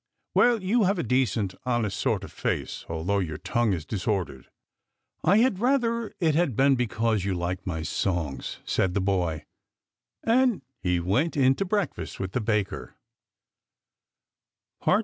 " Well, you have a decent, honest sort of face, although your tongue is disordered." " I had rather it had been because you liked my songs," said the boy, and he went in to breakfast with the baker.